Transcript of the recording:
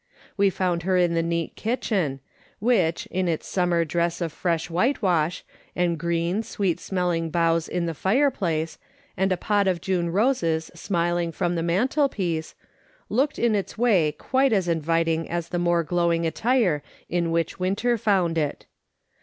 We found her in the ueat kitchen, which, in its summer dress of fresh wliitewash, and green, sweet smelling boughs in the fireplace, and a pot of June roses smiling from the mantelpiece, looked in its way quite as inviting as the more glowing attire in which winter found it.